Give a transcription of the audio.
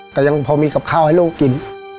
แต่ยังพอมีกับข้าวให้ลูกกิน